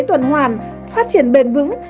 tuần hoàn phát triển bền vững